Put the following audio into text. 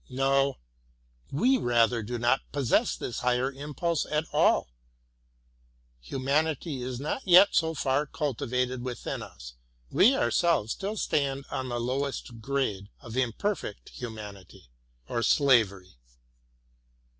No : we rather do not possess this higher impulse at all ; humanity is not yet so far cultivated within us ; we ourselves still stand on the lowest grade of imperfect humanity, — or slavery.